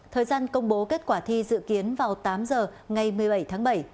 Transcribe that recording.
thời gian công bố kết quả thi dự kiến vào tám giờ ngày một mươi bảy tháng bảy